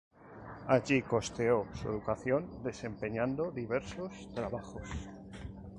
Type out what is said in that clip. Allí costeó su educación desempeñando diversos trabajos.